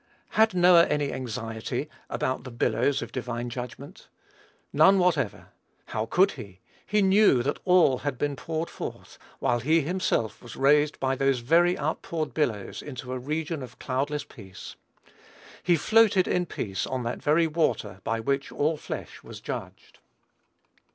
Had Noah any anxiety about the billows of divine judgment? None whatever. How could he? He knew that "all" had been poured forth, while he himself was raised by those very outpoured billows into a region of cloudless peace. He floated in peace on that very water by which "all flesh" was judged.